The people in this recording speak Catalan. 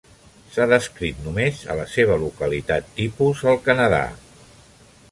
S’ha descrit només a la seva localitat tipus, al Canadà.